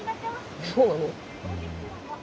そうなの？